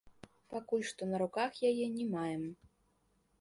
Пакуль што на руках яе не маем.